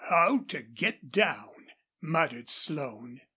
"How to get down!" muttered Slone.